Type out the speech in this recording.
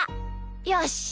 よし。